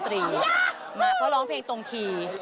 เพราะลองเพลงตรงขี